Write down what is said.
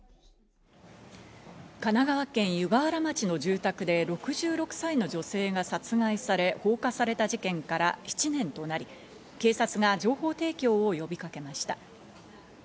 神奈川県湯河原町の住宅で６６歳の女性が殺害され、放火された事件から７年となり、警察が情報提供を呼びかけました。